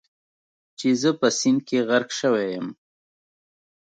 چې زه په سیند کې غرق شوی یم.